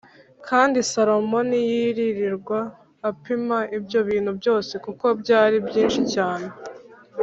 Kandi Salomo ntiyirirwa apima ibyo bintu byose kuko byari byinshi cyane